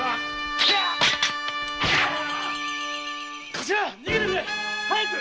カシラ逃げてくれ早く！